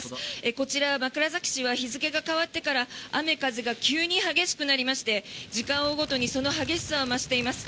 こちら、枕崎市は日付が変わってから雨風が急に激しくなりまして時間を追うごとにその激しさを増しています。